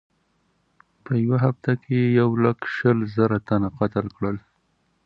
په یوه هفته کې یې یو لک شل زره تنه قتل کړل.